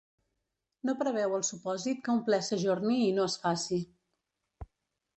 No preveu el supòsit que un ple s’ajorni i no es faci.